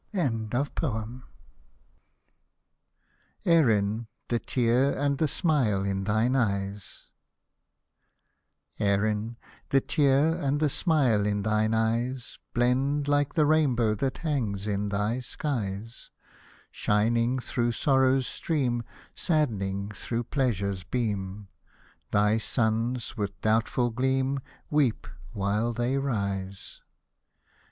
Hosted by Google ERIxN ! THE TEAR AND THE SMILE ERINM THE TEAR AND THE SMILE IN THINE EYES Erin, the tear and the smile in thine eyes, Blend like the rainbow that hangs in thy skies I Shining through sorrow's stream, Saddening through pleasure's beam, Thy suns with doubtful gleam, Weep while they rise.